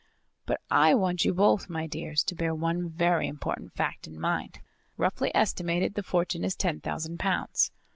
"But I want you both, my dears, to bear one very important fact in mind. Roughly estimated the fortune is ten thousand pounds.